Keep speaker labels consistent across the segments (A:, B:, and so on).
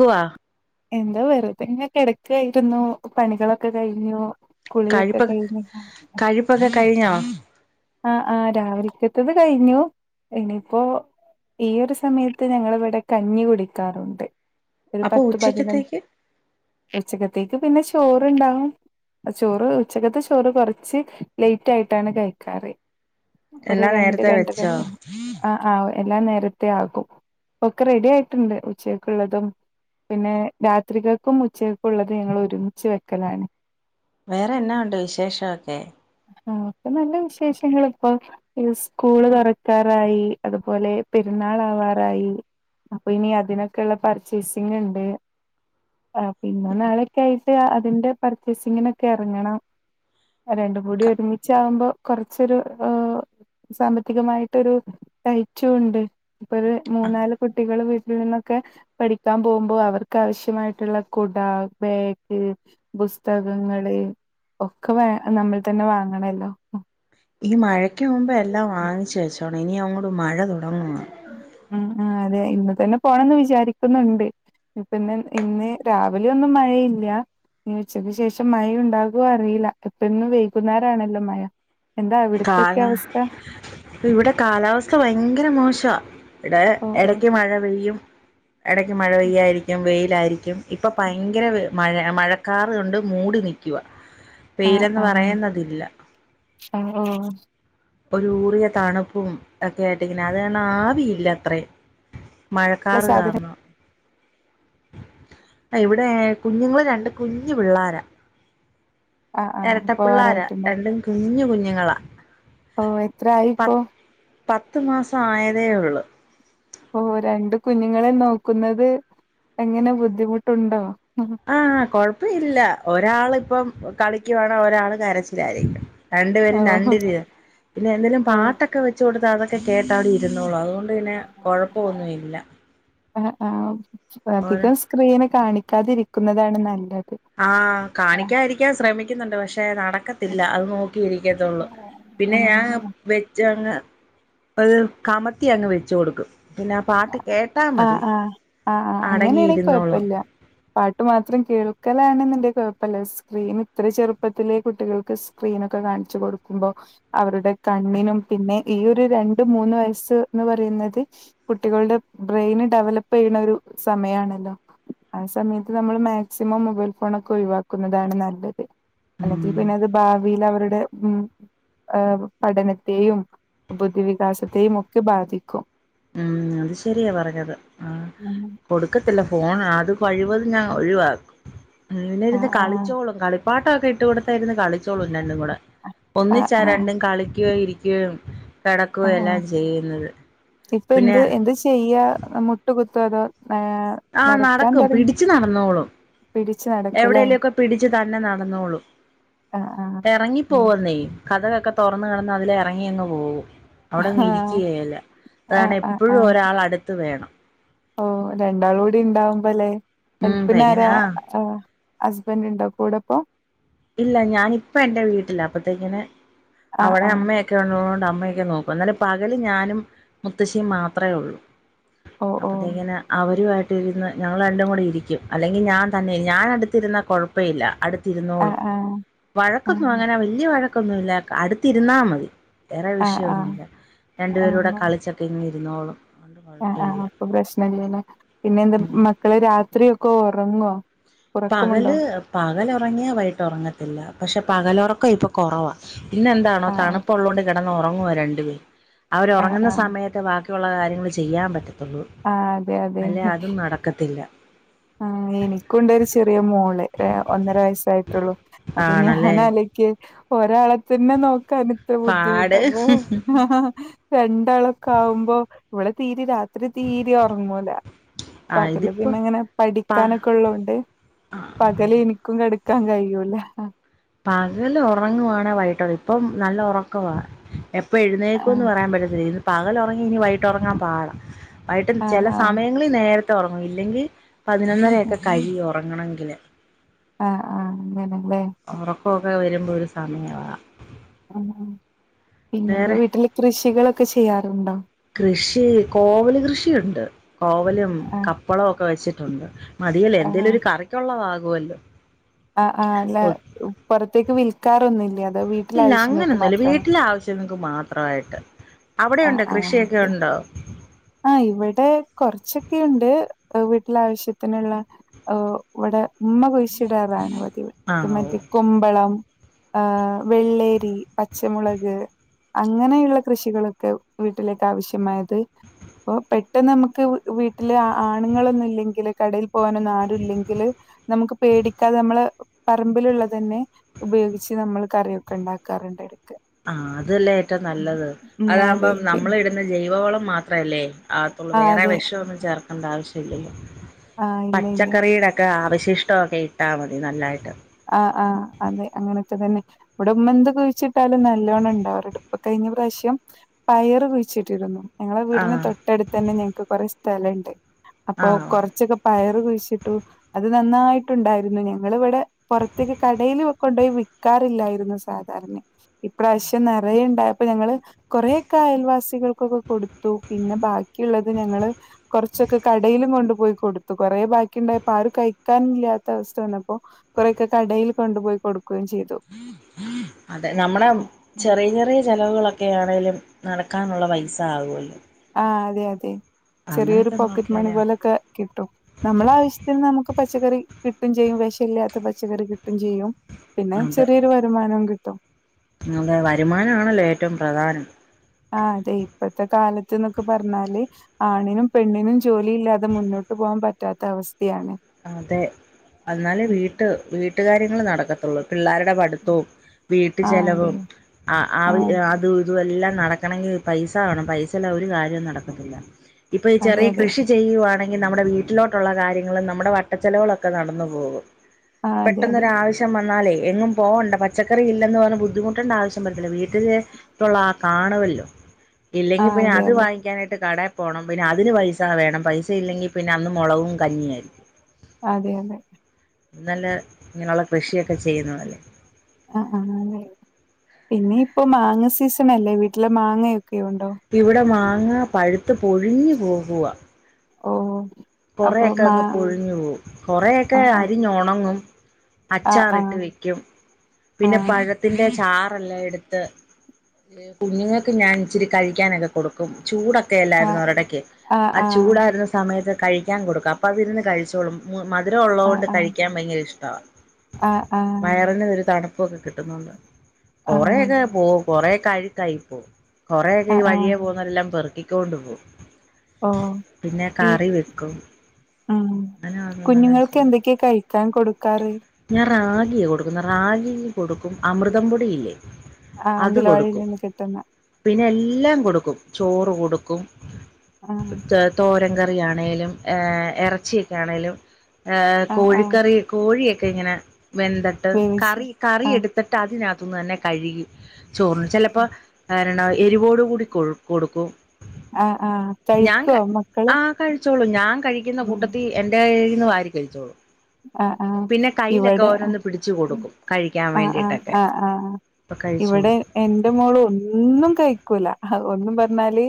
A: ക്കുവാ
B: എന്താ വെറുതെങ്ങെ കിടക്കായിരുന്നു പണികളൊക്കെ കഴിഞ്ഞു. കുളിയൊക്കെ
A: കഴിപ്പൊക്കെ
B: കഴിഞ്ഞു
A: കഴിപ്പൊക്കെ കഴിഞ്ഞോ?
B: ആഹ് ആഹ് രാവിൽക്കത്തത് കഴിഞ്ഞു. ഇനിയിപ്പോ ഈ ഒരു സമയത്ത് ഞങ്ങളിവിടെ കഞ്ഞി കുടിക്കാറുണ്ട് ഒരു
A: അപ്പൊ
B: പത്തു പതിനൊന്ന്
A: ഉച്ചക്കത്തേക്ക്
B: ഉച്ചക്കത്തേക്ക് പിന്നെ ചോറ്ണ്ടാവും. അ ചോറ് ഉച്ചക്കത്തെ ചോറ് കൊറച്ച് ലേറ്റ് ആയിട്ടാണ് കഴിക്കാറ്. ഒരു
A: എല്ലാം
B: രണ്ട്
A: നേരത്തെ വെച്ചോ
B: രണ്ടരക്കാ. ആഹ് ആഹ് എല്ലാം നേരത്തേ ആക്കും ഇപ്പൊക്കെ റെഡി ആയിട്ടുണ്ട് ഉച്ചക്കക്ക്ള്ളതും പിന്നെ രാത്രിക്കക്കും ഉച്ചക്കക്കുള്ളതും ഞങ്ങളൊരുമിച്ച് വെക്കലാണ്.
A: വേറെ എന്നാ ഒണ്ട് വിശേഷ ഒക്കെ?
B: ആഹ് ഒക്കെ നല്ല വിശേഷങ്ങളിപ്പൊ. ഇസ്കൂള് തൊറക്കാറായി അതുപോലെ പെരുന്നാളാവാറായി. അപ്പൊ ഇനി അതിനൊക്കള്ള പർച്ചേസിങിണ്ട്. ആഹ് പിന്നെ നാള്യൊക്കായിട്ട് അതിന്റെ പർച്ചേസിങ്ങിനൊക്കെ എറങ്ങണം. രണ്ടും കൂടി ഒരുമിച്ചാവുമ്പം കൊർച്ചൊരു ഏഹ് സാമ്പത്തികമായിട്ടൊരു ടൈറ്റൂണ്ട്. ഇപ്പൊരു മൂന്നാല് കുട്ടികള് വീട്ടിൽ നിന്നൊക്കെ പഠിക്കാൻ പോവുമ്പോ അവർക്കാവശ്യമായിട്ടുള്ള കുട, ബാഗ് പുസ്തകങ്ങള് ഒക്കെ വേ നമ്മൾ തന്നെ വാങ്ങണല്ലോ.
A: ഈ മഴയ്ക്ക് മുമ്പ് എല്ലാം വാങ്ങിച്ച് വെച്ചോണം ഇനി അങ്ങോട് മഴ തുടങ്ങുവാ.
B: ഉം ഉം അതെ ഇന്ന് തന്നെ പോണംന്ന് വിചാരിക്കുന്നുണ്ട്. ഇപ്പിന്ന് ഇന്ന് രാവിലെ ഒന്നും മഴയില്ല്യാ. ഇനി ഉച്ചയ്ക്ക് ശേഷം മഴ ഉണ്ടാകോ അറീല്ല എപ്പൊന്നും വെെകുന്നേരാണല്ലോ മഴ. എന്താ
A: കാല
B: അവിടത്തൊക്കെ അവസ്ഥ
A: ഇപ്പിവിടെ കാലാവസ്ഥ ഭയങ്കര മോശവാ. ഇടെ
B: ഓ ഓ
A: എടക്ക് മഴ പെയ്യും എടയ്ക്ക് മഴ പെയ്യായിരിക്കും വെയിലായിരിക്കും. ഇപ്പ ഭയങ്കര മഴ മഴക്കാർ ഉണ്ട് മൂടി നിക്കുവാ.
B: ആഹ് ആഹ് ആഹ് ഓഹ്
A: ഒരു ഊറിയ തണുപ്പും ഒക്കെ ആയിട്ട് ഇങ്ങനെ അത് കാരണം ആവിയില്ലത്രേ.
B: ഉള്ള
A: മഴക്കാറ്
B: സാധനം
A: കാരണം. ആഹ് ഇവിടെ കുഞ്ഞുങ്ങള് രണ്ട് കുഞ്ഞ് പിള്ളാര.
B: ആഹ് ആഹ്
A: എരട്ടപിള്ളാര
B: പോവാറായിട്ടുണ്ട്
A: രണ്ടും കുഞ്ഞു കുഞ്ഞുങ്ങളാ.
B: ഓഹ്
A: പ
B: എത്രായിപ്പോ?
A: പത്ത് മാസ ആയതേയൊള്ളൂ.
B: ഓഹ് രണ്ട് കുഞ്ഞുങ്ങളിം നോക്കുന്നത് എങ്ങനെ ബുദ്ധിമുട്ടുണ്ടോ?
A: ആഹ് കൊഴപ്പ ഇല്ല. ഒരാളിപ്പം കളിക്കുവാണെ ഒരാൾ കരച്ചിലായിരിക്കും. രണ്ടു പേരും
B: ഓഹോ
A: രണ്ട് രീതിലാ. പിന്നെ എന്തേലും
B: ഓ
A: പാട്ടൊക്കെ വെച്ച് കൊടുത്താ അതൊക്കെ കേട്ടവിടെ ഇരുന്നോളും അതുകൊൺ ണ്ട് പിന്നെ കൊഴപ്പൊ ഒന്നുഇല്ല.
B: അഹ് ആ ഹ്
A: ഓരോ
B: അധികം സ്ക്രീന് കാണിക്കാതിരിക്കുന്നതാണ് നല്ലത്.
A: ആഹ്, '
B: ആ
A: കാണിയ്ക്കാരിക്കാൻ ശ്രമിക്കുന്നുണ്ട് പക്ഷെ നട ക്കത്തില്ല അത് നോക്കിയിരിയ്ക്കത്തൊള്ളൂ പിന്നെ ഞാൻ വെച്ചങ്ങ് അത് കമത്തി അങ്ങ് വെച്ച് കൊടുക്കും. പിന്നെ ആ പാട്ട് കേട്ടാ
B: ആഹ്
A: മതി
B: ആഹ് ആഹ് ആഹ് അങ്ങനെയാണെ
A: അടങ്ങിയിരുന്നോളും
B: കൊഴപ്പല്ല്യ പാട്ട് മാത്രം കേൾക്കലാണ്ന്ന്ണ്ടേ കൊഴപ്പല്ല. സ്ക്രീന് ഇത്രേ ചെറുപ്പത്തിലെ കുട്ടികൾക്ക് സ് ക്രീനൊക്കെ കാണിച്ചു കൊടുക്കുമ്പോ അവരുടെ കണ്ണിനും പിന്നെ ഈ ഒരു രണ്ടു മൂന്ന് വയസ്സ് ന്ന് പറയുന്നത് കുട്ടികളുടെ ബ്രെയിന് ഡെവലപ്പെയ്യ്ണരു സമയാണല്ലോ ആ സമയത്ത് നമ്മള് മാക്സിമം മൊബൈൽ ഫോണൊക്കെ ഒഴിവാക്കുന്നതാണ് നല്ലത്. അല്ലെങ്കി
A: ഉം
B: പിന്നെ അത് ഭാവിയിലവര്ടെ ഉം ഹാഹ് പഠനത്തേയും ബുദ്ധിവികാസത്തേയും ഒക്കെ ബാധിക്കും.
A: ഉം അത് ശെരിയാ പറഞ്ഞത്. ആ
B: [unintelligible]
A: കൊടുക്കത്തില്ല ഫോണ് അത് കഴിവതും ഞാൻ ഒഴിവാക്കും, [unintelligible]
B: ആഹ്
A: കളിച്ചോളും കളി പാട്ടൊക്കെ ഇട്ടു കൊട് ത്തായിരുന്നു കളിച്ചോളൂ രണ്ടും കൂടെ,
B: ആഹ്
A: ഒന്നിച്ചാ
B: ആഹ്
A: രണ്ടും കളിക്യൂ ഇരിക്ക്യോം കെടക്കുവെയെല്ലാം ചെയ്യുന്നത്.
B: ഇപ്പ
A: പിന്നെ
B: എന്ത് എന്ത് ചെയ്യാ മുട്ട് കുത്തോ അതോ ഏഹ്
A: ആഹ്
B: നടക്കാൻ
A: നടക്കും
B: തുടങ്ങി
A: പിടിച്ച് നടന്നോളും,
B: പിടിച്ചു നടക്കൂല്ലേ
A: എവിടേലു ഒക്കെ പിടിച്ചു തന്നെ നടന്നോളും
B: ആഹ് ആഹ് ഓക്കെ
A: എറങ്ങിപ്പോവുന്നേ കതകക്കെ തൊറന്ന് കെടന്നാ അതിലേ എറങ്ങി അങ്ങ് പോവും. അവിടെങ്ങ്
B: ആഹ്
A: ഇരിക്ക്യേല അത്
B: ആഹ്
A: കാര്ണം എപ്പഴും ഒരാള് അടുത്ത് വേണം
B: ഓഹ് രണ്ടാളൂടി ഇണ്ടാവുമ്പൊല്ലെ
A: ഉം എങ്ങനെ
B: ഹെൽപ്പിനാരാ, ആഹ് ഹസ്ബെന്റ് ണ്ടോ കൂടെപ്പോ
A: ഇല്ല ഞാനിപ്പ എന്റെ വീട്ടില അപ്പത്തേക്കിന്
B: ആഹ്
A: അവടെ
B: ആഹ്
A: അമ്മേ ക്കെള്ളതോണ്ട് അമ്മയൊക്കെ നോക്കും എന്നലും പകല് ഞാനും മുത്തശ്ശിയും മാത്രേ ഒള്ളൂ
B: ഓ ഓ
A: അപ്പത്തേക്ക്ന് അവരുവാ [unintelligible] ന്ന് ഞങ്ങൾ രണ്ടും കൂടെ ഇരിയ്ക്കും. അല്ലെങ്കി ഞാൻ തന്നെ ഞാൻ അടുത്തിരുന്നാ കൊഴപ്പ ഇല്ല അടു
B: ആഹ് ആഹ് ആഹ്
A: വഴക്കൊന്നും അങ്ങനെ വല്ല്യ വഴക്കൊന്നും ഇല്ല അടുത്തിരുന്നാ മതി വേറെ
B: ആഹ്
A: വിഷയൊന്നുല്ല. രണ്ടു
B: ആഹ്
A: പേരൂടെ കളിച്ചൊക്കെ ഇങ്ങിരുന്നോളും.
B: ആഹ് ആഹ് ആഹ് അപ്പൊ പ്രശ്നല്ല്യലേ പിന്നെ എന്താ മക്കള് രാത്രിയൊക്കെ ഒറങ്ങോ
A: പകല് പകലുറങ്ങിയ വൈട്ടൊറങ്ങത്തില്ല. പക്ഷെ പകലൊറക്കം ഇപ്പൊ കൊറവാ ഇന്നെന്താണോ
B: ആഹ്
A: തണുപ്പ ഉള്ളോണ്ട് കെടന്ന് ഒറങ്ങുവാ രണ്ടുപേര് അവര്
B: ആഹ് ആഹ്
A: ഒറങ്ങുന്ന
B: ആഹ്
A: സമയ ത്തേ ബാക്കിയുള്ള കാര്യങ്ങള് ചെയ്യാൻ പറ്റത്തൊള്ളൂ
B: ആഹ് അതെ അതെ
A: അല്ലേ അതും നടക്കത്തില്ല.
B: ആഹ് എനിക്കുണ്ടൊരു ചെറിയ മോള് ഏ ഒന്നര വയസ്സായിട്ടൊള്ളൂ അപ്പൊ
A: ആണല്ലേ
B: ഞാനാലോ യ്ക്ക് ഒരാളെത്തന്നെ നോക്കാൻ ഇത്ര ബുദ്ധിമുട്ട
A: പാട്
B: പ്പൊ രണ്ട് ണ്ടാളൊക്കാവുമ്പോ വടെ തീരി രാ പ്പര് തീരി ഒറ്ങ്ങൂലക
A: ആ
B: പകല്
A: ഇതിപ്പോ
B: പിന്നെങ്ങനെ
A: പ
B: പഠിക്കാനൊക്കെ ഉള്ളോണ്ട് പകല് ഇനിക്കും കട്ക്കാൻ കഴിയൂല്ലാ
A: പകല് ഒറങ്ങുവാണ വൈകി [unintelligible] ഇപ്പം നല്ല ഒറക്കവാ എപ് പ്പൊ എഴുന്നേക്കൂന്ന്
B: ആഹ്
A: പറയാൻ പറ്റത്തില്ല. ഇന്ന് പകലൊറങ്ങി ഇനി വൈകീട്ടൊറങ്ങാൻ പാടാ. വൈകിട്ട്
B: ആഹ്
A: ചെല
B: ആഹ്
A: സമയ ങ്ങളിൽ നേരത്തെ ഒറങ്ങും. ഇല്ലെങ്കി പതിനൊന്നരയൊക്കെ
B: ആഹ്
A: കഴിയും ഒറങ്ങണെങ്കില്.
B: ആഹ് ആഹ് അങ്ങനല്ലേ
A: ഉറക്കമൊക്കെ വരുമ്പോൾ ഒരു സമയ വാ
B: ആ പിന്നെ ന്റെ
A: വേറെ
B: വീട്ടില് കൃഷികളൊക്കെ ചെയ്യാറുണ്ടോ
A: കൃഷി കോവല് കൃഷിയുണ്ട്. കോവലും
B: ആഹ്
A: കപ്പളവും ഒക്കെ വെച്ചിട്ടുണ്ട് മതിയല്ലേ
B: ആഹ്
A: എന്തേലും ഒരു കറിക്കുള്ളതാകുവല്ലോ
B: ആ ആ് അല്ല പുറത്തേക്ക് വിൽക്കാറൊന്നുല്ല
A: ഇല്ല അങ്ങനൊന്നുല്ല വീട്ടിലെ ആവശ്യങ്ങൾക്ക് മാത്രായിട്ട് അവിടെയുണ്ടോ കൃഷിയൊക്കെ ഉണ്ടോ
B: ആ ഇവിടെ കൊറച്ചൊക്കെയുണ്ട് വീട്ടില ആവശ്യത്തിനുള്ള ഓ വടെ ഉമ്മ കുഴിച്ചിടാറാണ് പതിവ്
A: ആഹ് ഓഹ്
B: മറ്റേ കുമ്പളം ആഹ് വെള്ളേരി പച്ചമുളക് അങ്ങനെയുള്ള കൃഷികളൊക്കെ വീട്ടിലേക്ക് ആവശ്യമായത് അപ്പ പെട്ടെന്ന് നമ്മക്ക് വീട്ടിൽ ആണുങ്ങളന്നുംല്ലെങ്കില് കടയിൽ പോകാനൊന്നും ആരു ല്ലെങ്കില് നമുക്ക് പേടിക്കാതെ നമ്മള് പറമ്പിലുള്ള തന്നെ ഉപയോഗിച്ച് നമ്മൾ കറിയൊക്കെ ഉണ്ടാക്കാറുണ്ട് ഇടക്ക്
A: ആ അതല്ലേ ഏറ്റവും നല്ലത്.
B: ഉം അതെ
A: അതാകുമ്പം
B: പി
A: നമ്മൾ ഇടുന്ന ജൈവവളം മാത്രല്ലേ ആ അപ്പം വേറെ വിഷമൊന്നും ചേർക്കേണ്ട ആവശ്യം ഇല്ലല്ലോ
B: ആ ഇല്ല ഇല്ല
A: പച്ചക്കറിയുടെ ഒക്കെ അവശിഷ്ടമൊക്കെ ഇട്ടാ മതി നല്ലായിട്ട്
B: ആഹ ആഹ അതെ അങ്ങനെയൊക്കെ തന്നെ വടെ ഉമ്മ എന്ത് കുഴിച്ചിട്ടാലും നല്ലോണം ണ്ടാവാറുണ്ട് പ്പം കഴിഞ്ഞ പ്രാവശ്യം പയറ് കുഴിച്ചിട്ടിരുന്നു ഞങ്ങളെ വീടിൻ
A: ആഹ്
B: തൊട്ടടുത്ത് തന്നെ ഞങ്ങക്ക് കൊറെ സ്ഥലണ്ട്. അപ്പൊ
A: ആഹ്
B: കൊറച്ചൊക്കെ പയർ കുഴിച്ചിട്ടു അത് നന്നായിട്ടുണ്ടായിരുന്നു ഞങ്ങളിവിടെ പുറത്തേക്ക് കടയിൽ കൊണ്ടോയി വി ക്കാറില്ലായിരുന്നു സാധാരണ ഇപ്രാവശ്യം നെറയെ ണ്ടായപ്പൊ ഞങ്ങൾ കൊറൊക്കെ അയൽവാസികൾക്കൊക്കെ കൊടുത്തു. പിന്നെ ബാക്കിയുള്ളത് ഞങ്ങള് കുറച്ചൊക്കെ കടയിലും കൊണ്ടു പോയി കൊടുത്തു കൊറേ ബാക്കിണ്ടായപ്പൊ ആരും കഴിക്കൻ ഇല്ലാത്ത അവസ്ഥ വന്നപ്പൊ കൊറേക്കെ കടയിൽ കൊണ്ടുപോയി കൊടുക്കുകയും ചെയ്തു
A: അതെ നമ്മളെ ചെറിയ ചെറിയ ചെലവുകളൊക്കൊയാണെലും നടക്കാനുള്ള പൈസ ആവുല്ലോ
B: ആഹ് അതെ അതെ ചെറിയൊരു പോക്കറ്റ് മണി
A: നോക്കിയാലേ
B: പോലൊക്കെ കിട്ടും നമ്മള ആവശ്യത്തിന് നമുക്ക് പച്ചക്കറി കിട്ടും ചെയ്യും. വെശല്ലാത്ത പച്ചക്കറി കിട്ടും ചെയ്യും പിന്നെ
A: അതെ
B: ചെറിയൊരു വരുമാനം കിട്ടും
A: അതെ വരുമാനാണല്ലോ ഏറ്റവും പ്രധാനം
B: അ അതെ ഇപ്പത്തെ കാലത്ത്ന്നൊക്കെ പറഞ്ഞാല് ആണിനും പെണ്ണിനും ജോലിയില്ലാതെ മുന്നോട്ട് പോകാൻ പറ്റാത്ത അവസ്ഥയാണ്
A: അതെ എന്നാല് വീട്ട് വീട്ടുകാര്യങ്ങള് നടക്കത്തുള്ളൂ പിള്ളേരുടെ പ ത്തോം വീട്ട്
B: ആ അതെ
A: ചിലവും അ
B: ആ
A: അത് ഇതെല്ലാം നടക്കണെങ്കിൽ പൈസ വേണം പൈസല്ലാതെ ഒരു കാര്യവും നടക്കത്തില്ല ഇപ്പൊ ഈ
B: അതെ
A: ചെറിയ
B: അതെ
A: കൃഷി ചെയ്യുവാണെങ്കിൽ നമ്മുടെ വീട്ടിലോട്ടുള്ള കാര്യങ്ങൾ നമ്മൾ വട്ട ച്ചെലവുകളൊക്കെ നടന്നു പോകും
B: ആ അതെ അതെ
A: പെട്ടെന്നൊരാവശ്യ വന്നാലേ എങ്ങും പോകണ്ട പച്ചക്കറി ഇല്ലെന്ന് പറഞ്ഞാ ബുദ്ധിമുട്ടേണ്ട ആവശ്യം വരുന്നില്ല വീട്ടില്- ട്ടുള്ള ആ കാണുവല്ലോ
B: ആ
A: ഇല്ലെങ്കിൽ പിന്നെ
B: അതെ
A: അത്
B: അതെ
A: വാങ്ങിക്കാനായിട്ട് കട- പോകണം പിന്നെ അതിന് പൈസ വേണം പൈസ ഇല്ലെങ്കിൽ പിന്നെ അന്ന് മുളകവും കഞ്ഞിയമായിരിക്കും.
B: അതെ അതെ.
A: നല്ല ഇങ്ങനെയുള്ള കൃഷിയൊക്കെ ചെയ്യുന്നതല്ലേ
B: ആഹ് ആഹ് പിന്നെ ഇപ്പോ മാങ്ങ സീസൺ അല്ലേ വീട്ടില് മാങ്ങയൊക്കെ ഉണ്ടോ
A: ഇവിടെ മാങ്ങ പഴുത്ത് പൊഴിഞ്ഞു പോകുവാ
B: ഓ അപ്പൊ
A: കൊറെയൊക്കെ
B: മാ
A: അങ്ങ് പൊഴിഞ്ഞു പോവും
B: ആ
A: കൊറയൊക്കെ
B: ആ
A: അരിഞ്ഞ് ഒണങ്ങും
B: ആ
A: അച്ചാറി
B: ആ
A: ഇട്ട് വെക്കും
B: ആ
A: പിന്നെ പഴ- ത്തിന്റെ ചാറല്ലാം എടുത്ത് കുഞ്ഞുങ്ങൾക്ക് ഞാൻ ഇച്ചിരി കഴിക്കാനൊക്കെ കൊടു ക്കും
B: ആ
A: ചൂടൊക്കെല്ലായിരുന്നൊ ഒരിടക്ക് ആ ചൂടായിരുന്ന സമയത്ത് കഴി- ക്കാൻ കൊടുക്കും അപ്പോ അത് ഇരുന്ന് കഴിച്ചോളും മധുരം ഉള്ളതു കൊണ്ട് കഴിക്കാൻ ഭയങ്കര ഇഷ്ടവ വയറിനും ഒരു തണുപ്പൊക്കെ കിട്ടുന്നുണ്ട് കുറെയൊക്കെ പോകും കൊറെ കഴി കഴിക്കും കൊറക്കെ ഈ വഴിയെ പോവുന് - ന്ന വരെല്ലാം പെറക്കിക്കൊണ്ട് പോകും
B: ഓഹ്.
A: പിന്നെ
B: ഈ
A: കറി വെക് ക്കും
B: ഉം.
A: [unintelligible]
B: ക്കാൻ കൊടുക്കാറ്
A: ഞാൻ റാഗിയ കൊടുക്കുന്നെ റാഗി കൊടുക്കും അമൃതംപൊടിയില്ലേ
B: ആഹ്
A: അത്
B: അംഗലവാടിയിൽ
A: കൊടുക്കും
B: നിന്ന് കിട്ടുന്ന?
A: പിന്നെ എല്ലാം കൊടുക്കും ചോറ് കൊടുക്കും
B: ആഹ്.
A: തോരൻ കറിയാണേലും ഇറച്ചിയൊക്കെയാണേലും ഏഹ്
B: ആഹ് ആഹ്
A: കോഴിക്കറി കോഴിയൊക്കെ ഇങ്ങനെ വെന്തട്ട്
B: വേവിച്ച്.
A: കറി കറി
B: ആഹ്
A: എടുത്തിട്ട് അതിനകത്ത് തന്നെ കഴുകി ചോറ് ചിലപ്പോ [unintelligible] എരിവോട് കൂടി കൊ കൊടുക്കും
B: ആഹ് ആഹ്
A: ഞാൻ
B: കഴിക്കോ മക്കള്?
A: ആഹ് കഴിച്ചോളും ഞാൻ കഴിക്കുന്ന കൂട്ടത്തി എന്റെ കൈയിൽ നിന്ന് വാരി കഴിച്ചോളും
B: ആഹ് ആഹ്
A: പിന്നെ കയ്യിലൊക്കെ
B: ഇവിടെ
A: ഓരോന്ന് പിടിച്ചു കൊടുക്കും കഴിക്കാൻ
B: ആഹ് ആഹ്
A: വേണ്ടിയിട്ടൊക്കെ
B: ആഹ് ആഹ്.
A: [unintelligible]
B: ഇവിടെ എന്റെ മോള് ഒന്നും കഴിക്കൂല്ല ഒന്നും പറഞ്ഞാല്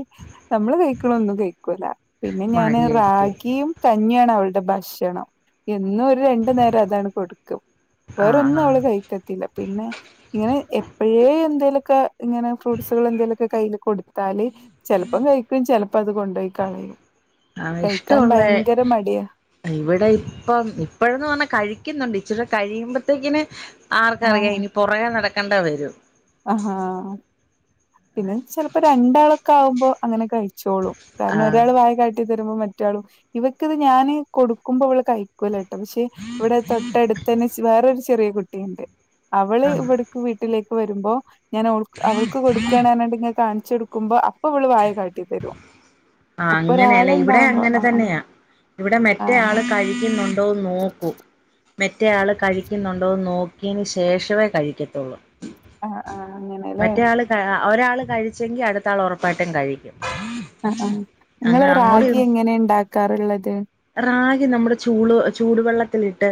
B: ഞമ്മള് കഴിക്കണ ഒന്നും കഴിക്കൂല പിന്നെ ഞാന്
A: മടിയായിരിക്കും
B: റാഗിയും കഞ്ഞിയാണ് അവളുടെ ഭക്ഷണം എന്നും ഒരു രണ്ടു നേരം അതാണ് കൊടുക്കും
A: ആഹ്
B: വേറൊന്നും
A: ആഹ്
B: അവള് കഴിക്കത്തില്ല പിന്നെ ഇങ്ങനെ എപ്പഴേ എന്തേലൊക്കെ ഇങ്ങനെ ഫ്രൂട്ട്സുകൾ എന്തേലുവൊക്ക കൈയില് കൊടുത്താല് ചിലപ്പം കഴിക്കും ചിലപ്പോ അത് കൊണ്ടുപോയി കളയും
A: ആഹ്
B: കഴിക്കാൻ
A: ഇഷ്ടമുള്ള
B: ഭയങ്കര മടിയാ
A: ഇവിടെ ഇപ്പം ഇപ്പോഴെന്ന് പറഞ്ഞാ കഴിക്കുന്നുണ്ട് ഇച്ചിരി കഴിയുമ്പോത്തേക്കിന് ആർക്ക്
B: ആഹ്
A: അറിയാം ഇനി പുറകെ നടക്കേണ്ട വരും
B: ആഹാ പിന്നെ ചിലപ്പോ രണ്ടാളൊക്കെ ആവുമ്പോ അങ്ങനെ കഴി ച്ചോളും കാരണം
A: ആഹ്
B: ഒരാൾ വാരി കയി കാട്ടി തരുമ്പോ മറ്റാളും ഇവക്ക് അത് ഞാന് കൊടുക്കുമ്പോ അവള് കഴിക്കൂല പക്ഷേ ഇവിടെ തൊട്ടടുത്ത് തന്നെ വേറൊരു ചെറിയ കുട്ടിയുണ്ട് അവള്
A: ആഹ്
B: ഇവിട് വീട്ടിലേക്ക് വരുമ്പോ ഞാൻ അവൾക്ക് കൊടുക്കാനാന്ന് പറഞ്ഞിട്ട് ഇങ്ങനെ കാണിച്ചു കൊടുക് കൊടുക്കുമ്പോ അപ്പോ ഇവള് വായ കാട്ടി തരും
A: ആഹ്
B: ഒപ്പം
A: അങ്ങനെയല്ലേ ഇവിടെ
B: ഒരാളുണ്ടാവുമ്പോ
A: അങ്ങനെ
B: ആഹ്
A: തന്നെയാ ഇവിടെ മറ്റേ
B: ആഹ് ആഹ് അതെ
A: ആള് കഴിക്കുന്നു ണ്ടോ എന്ന് നോക്കും മറ്റേ ആള് കഴിക്കുന്നുണ്ടോന്ന് നോക്കിയതിന് ശേഷമേ കഴിക്കത്തുള്ളൂ
B: ആഹ് ആഹ് അങ്ങനെല്ലേ
A: ഒരാൾള് കഴിച്ചെങ്കി അടുത്താള് ഉറപ്പായിട്ടും കഴിക്കും
B: ആഹ് ആഹ്
A: അങ്ങ്
B: നിങ്ങള്
A: അങ്ങോട്ട്
B: റാഗി എങ്ങനെ ഉണ്ടാക്കാറുള്ളത്
A: റാഗി നമ്മുടെ ചൂട് ചൂടുവെള്ളത്തിലിട്ട്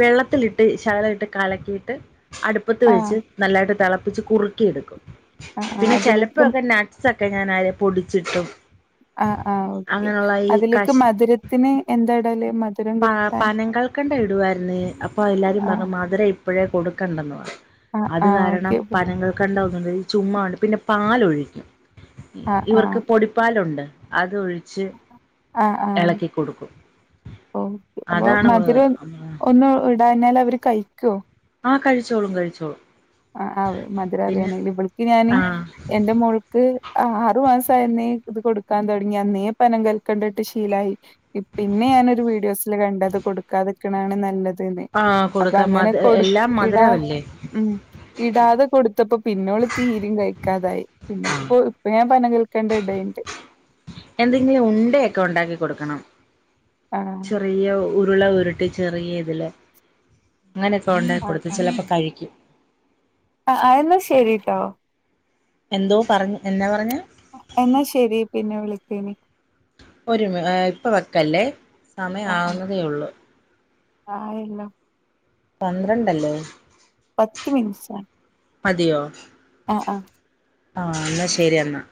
A: വെള്ളത്തിലിട്ട് ശകലം ഇട്ട് കലക്കിയിട്ട് അടു- അടുപ്പത്ത്
B: ആഹ്
A: വെച്ച് നല്ലായിട്ട് തളപ്പിച്ച് കുറുക്കി എടുക്കും
B: ആഹ് ആഹ്
A: പിന്നെ
B: അതിലേക്ക്
A: ചിലപ്പോക്കെ [unintelligible] പൊടിച്ചിട്ടും
B: ആ ആ ഓക്കെ
A: അങ്ങനെയുള്ള ഈ
B: അതിലേക്ക്
A: കശി
B: മധുരത്തിന് എന്താടല്
A: പനം കൾക്കണ്ടം ഇടുവായിരുന്നു അപ്പൊ എല്ലാരും
B: ആഹ്
A: മധുര ഇപ്പോഴേ കൊടുക്കണ്ടെന്ന പറഞ്ഞ്
B: ആഹ്
A: അത്
B: ആഹ്
A: കാരണം
B: ഓക്കെ
A: പനങ്ങൾ ഈ ചുമ്മാണ്ട് പിന്നെ പാലൊഴിക്കും
B: ആഹ്
A: ഇവർക്ക് പൊടിപ്പാലുണ്ട് അത് ഒഴി
B: ആ ആ ഓ അപ്പൊ
A: അതാണ്
B: മധുരം ഒന്ന് ഇടന്നാൽ അവര് കഴിക്കോ
A: ആ കഴിച്ചോളും കഴിച്ചോളും
B: ആ ആ മധുരം
A: പിന്നെ
B: അറിയാനെല്ല ഇവിളക്ക് ഞാന്
A: ആഹ്
B: എന്റെ മോൾക്ക് ആ ആറു മാസ അയന്നെ ഇത് കൊടുക്കാൻ തുടങ്ങി അന്നേ പനം കൽക്കേണ്ടിട്ട് ശീലായി പിന്നെ ഞാനൊരു വീഡിയോസിൽ കണ്ടത് കൊടുക്കാതിക്കണാണ് നല്ലത്
A: ആഹ് കൊടുക്കാം
B: അങ്ങനെ
A: മധു എല്ലാം
B: കൊടുക്ക ഇടാ
A: മധുരമല്ലേ
B: ഉം ഇടാതെ കൊടുത്തപ്പോ പിന്നോള് തീരും കഴിക്കാതായി പിന്നെ ഇപ്പോ ഇപ്പൊ ഞാൻ പനം കൽക്കേണ്ട ഇടേണ്ട്
A: എന്തെങ്കിലും ഉണ്ടൊക്കെ ഉണ്ടാക്കി കൊടുക്കണം
B: ആഹ്
A: ചെറിയ ഉരുള ഉരുട്ടി ചെറിയതിൽ അങ്ങനെയൊക്കെ ഉണ്ടാക്കി
B: ആഹ്
A: കൊടുത്ത് ചിലപ്പോൾ കഴിക്കും
B: ആ എന്ന ശരിട്ടോ
A: എന്തോ പറഞ്ഞ എന്നാ പറഞ്ഞേ
B: എന്നാ ശരി പിന്നെ വിളക്കാനി
A: ഒരുമ ഇപ്പോ വെക്കല്ലേ സമയം
B: ആഹ് ആഹ്
A: ആവുന്നതേ ഉള്ളൂ
B: ആയല്ലോ
A: പന്ത്രണ്ടല്ലേ?
B: പത്ത് മിനിറ്റസ
A: മതിയോ
B: ആഹ് ആഹ്
A: ആഹ് എന്നാ ശരി എന്നാ